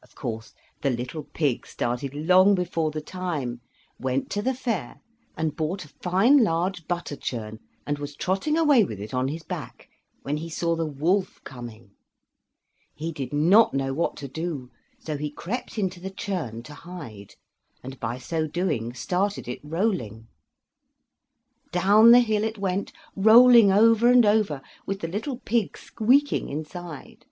Of course, the little pig started long before the time, went to the fair, and bought a fine large butter churn, and was trotting away with it on his back when he saw the wolf coming. He did not know what to do, so he crept into the churn to hide, and by so doing started it rolling. Down the hill it went, rolling over and over, with the little pig squeaking inside.